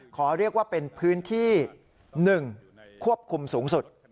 ขอเรียกว่าเป็นพื้นที่๑ควบคุมสูงสุด